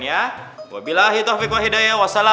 suara yang menyeramkan